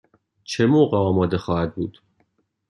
چه موقع آماده خواهد بود؟